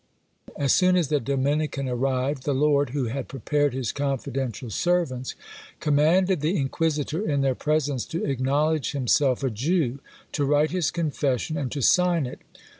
As soon as the Dominican arrived, the lord, who had prepared his confidential servants, commanded the inquisitor in their presence to acknowledge himself a Jew, to write his confession, and to sign it.